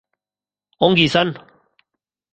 Ongi izan.